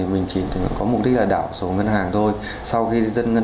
là khi mình lấy được dòng tiền thì mình chỉ có mục đích là đảo số ngân hàng thôi sau khi dân ngân